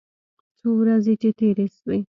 څو ورځې چې تېرې سوې.